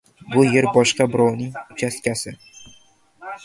— Bu yer boshqa birovning uchastkasi!